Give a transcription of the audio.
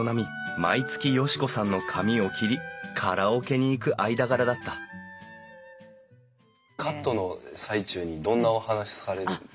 毎月嘉子さんの髪を切りカラオケに行く間柄だったカットの最中にどんなお話されたんですか？